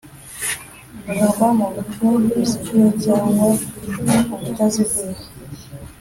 Bikorwa mu buryo buziguye cyangwa ubutaziguye